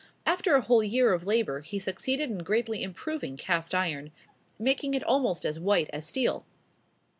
After a whole year of labor he succeeded in greatly improving cast iron, making it almost as white as steel.